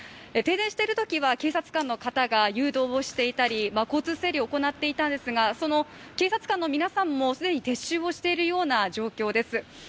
停電しているときは警察官の方が誘導をしていたり、交通整理を行っていたりしたんですが、警察官の皆さんも既に撤収している状況です。